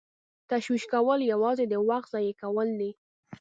تشویش کول یوازې د وخت ضایع کول دي.